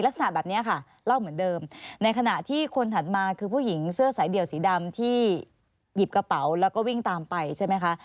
ลักษณะแบบนี้ค่ะเล่าเหมือนเดิมในขณะที่คนถัดมาคือผู้หญิงเสื้อสายเดี่ยวสีดำที่หยิบกระเป๋าแล้วก็วิ่งตามไปใช่ไหมคะ